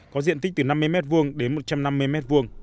có diện tích từ năm mươi m hai đến một trăm năm mươi m hai